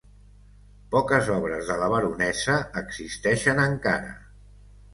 Poques obres de la baronessa existeixen encara.